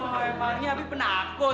wah emangnya abie penakut